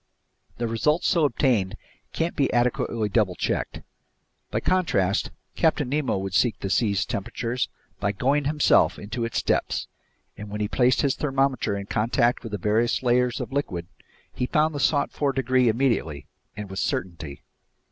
The results so obtained can't be adequately double checked. By contrast, Captain Nemo would seek the sea's temperature by going himself into its depths, and when he placed his thermometer in contact with the various layers of liquid, he found the sought for degree immediately and with certainty.